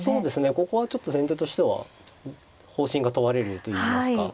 ここはちょっと先手としては方針が問われるといいますか。